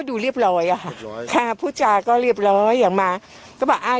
ดูเรียบร้อยอ่ะค่ะถ้าพูดจาก็เรียบร้อยอย่างมาก็บอกอ้าว